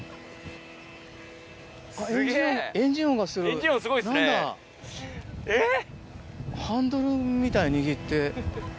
エンジンすごいっすねえっ！